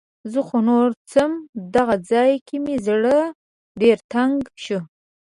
زه خو نوره څم. دغه ځای کې مې زړه ډېر تنګ شو.